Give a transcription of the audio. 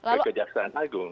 ke kejaksaan agung